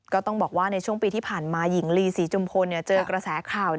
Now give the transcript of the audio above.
ก็ต้องบอกว่าในช่วงปีที่ผ่านมาหญิงลีศรีจุมพลเจอกระแสข่าว